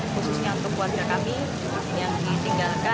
khususnya untuk keluarga kami yang ditinggalkan